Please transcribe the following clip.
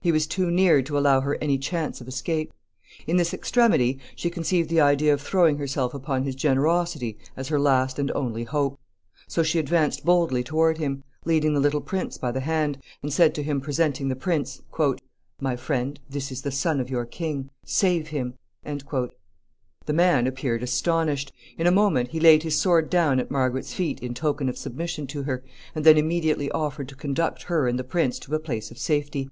He was too near to allow her any chance of escape. In this extremity, she conceived the idea of throwing herself upon his generosity as her last and only hope. So she advanced boldly toward him, leading the little prince by the hand, and said to him, presenting the prince, [Sidenote: Margaret's appeal to the stranger.] "My friend, this is the son of your king! Save him!" [Sidenote: The outlaw's cave.] The man appeared astonished. In a moment he laid his sword down at Margaret's feet in token of submission to her, and then immediately offered to conduct her and the prince to a place of safety.